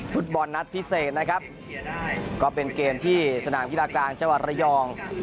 ฟุตบอลนัดพิเศษนะครับก็เป็นเกมที่สนามกีฬากลางจังหวัดระยอง